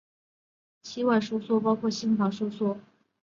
期外收缩包括心房期外收缩及。